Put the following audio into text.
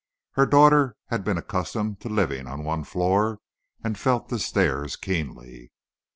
Her daughter had been accustomed to living on one floor, and felt the stairs keenly.